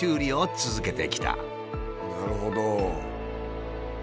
なるほど。